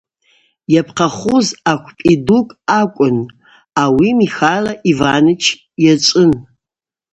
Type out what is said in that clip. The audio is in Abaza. Йапхъахуз аквпӏи дукӏ акӏвын, ауи Михайло Иваныч йачӏвын.